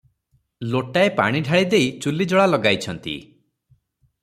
ଲୋଟାଏ ପାଣି ଢାଳିଦେଇ ଚୁଲ୍ଲୀ ଜଳା ଲଗାଇଛନ୍ତି ।